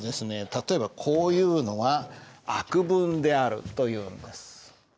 例えばこういうのは「悪文である」というんです。